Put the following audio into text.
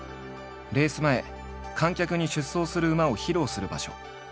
レース前観客に出走する馬を披露する場所。